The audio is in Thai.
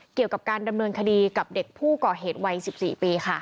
เกี่ยวกับการดำเนินคดีกับเด็กผู้ก่อเหตุวัย๑๔ปีค่ะ